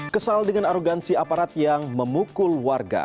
kesal dengan arogansi aparat yang memukul warga